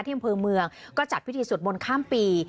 ที่บริเวณเมืองก็จัดพิธีสุดมนตร์ข้ามปี